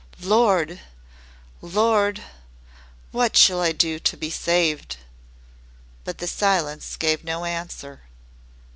"Lord! Lord! What shall I do to be saved?" But the Silence gave no answer.